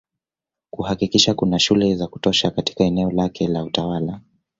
Kuhakikisha kuna shule za kutosha katika eneo lake la utawala